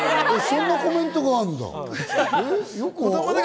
そんなコメントがあるんだ。